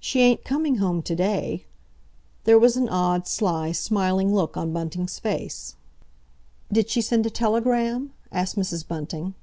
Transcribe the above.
"She ain't coming home to day"—there was an odd, sly, smiling look on Bunting's face. "Did she send a telegram?" asked Mrs. Bunting.